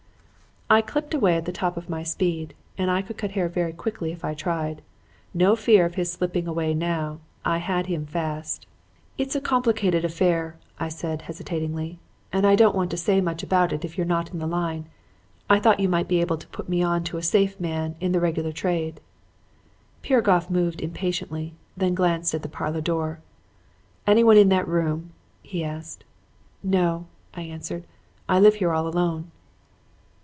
"I clipped away at the top of my speed and I could cut hair very quickly if I tried. No fear of his slipping away now. I had him fast. "'It's a complicated affair,' I said hesitatingly, 'and I don't want to say much about it if you're not in the line. I thought you might be able to put me on to a safe man in the regular trade.' "Piragoff moved impatiently, then glanced at the parlor door. "'Anyone in that room?' he asked. "'No,' I answered, 'I live here all alone.'